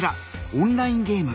オンラインゲーム。